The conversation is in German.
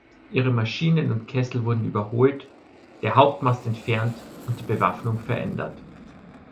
Ihre Maschinen und Kessel wurden überholt, der Hauptmast entfernt und die Bewaffnung verändert.